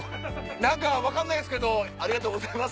何か分かんないですけどありがとうございます。